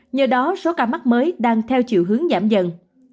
nhờ đó số ca mắc mới đang theo chiều hướng giảm dần